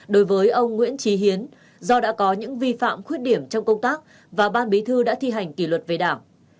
đối với ông nguyễn trí hiến do đã có những vi phạm khuyết điểm trong công tác và ban bí thư đã thi hành kỷ luật về đảng